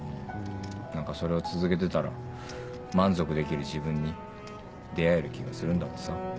何かそれを続けてたら満足できる自分に出会える気がするんだってさ。